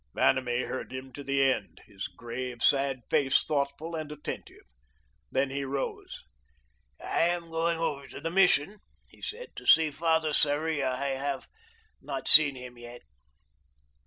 Vanamee heard him to the end, his grave, sad face thoughtful and attentive. Then he rose. "I am going over to the Mission," he said, "to see Father Sarria. I have not seen him yet."